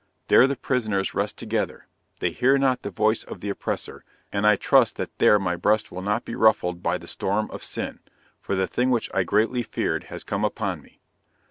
There the prisoners rest together they hear not the voice of the oppressor; and I trust that there my breast will not be ruffled by the storm of sin for the thing which I greatly feared has come upon me.